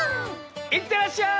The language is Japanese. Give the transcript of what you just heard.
いってらっしゃい！